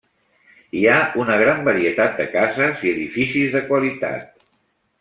Hi ha una gran varietat de cases i edificis de qualitat.